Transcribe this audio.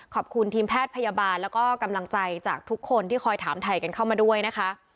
ขอบคุณทีมแพทย์พยาบาลแล้วก็กำลังใจจากทุกคนที่คอยถามไทยกันเข้ามาด้วยนะคะ